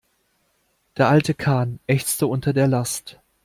Der alte Kahn ächzte unter der Last.